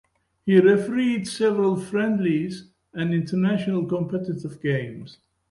He refereed several friendlies and international competitive games.